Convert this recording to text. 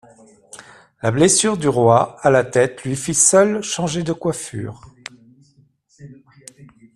La blessure du roi à la tête lui fit seule changer de coiffure.